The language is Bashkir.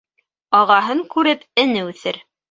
Ағаһын күреп эне үҫер